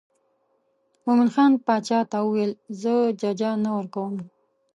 مومن خان باچا ته وویل زه ججه نه ورکوم.